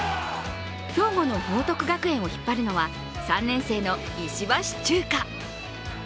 兵庫の報徳学園を引っ張るのは３年生の石橋チューカ。